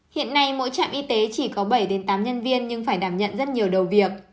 hiện nay mỗi trạm y tế chỉ có bảy tám nhân viên nhưng phải đảm nhận rất nhiều đầu việc